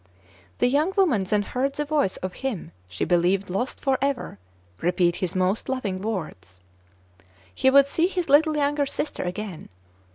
The young woman then heard the voice of him she be lieved lost forever repeat his most loving words. He would see his little younger sister again.